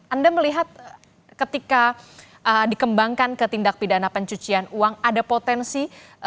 anda melihat ketika dikembangkan ke tindak pidana pencucian uang ada potensi